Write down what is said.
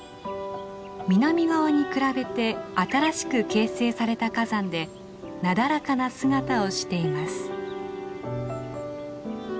南側に比べて新しく形成された火山でなだらかな姿をしています。